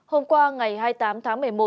hôm qua ngày hai mươi tám tháng một mươi một